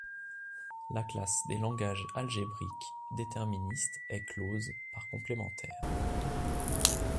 La classe des langages algébriques déterministes est close par complémentaire.